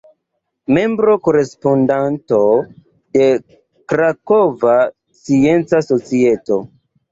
Membro-korespondanto de Krakova Scienca Societo.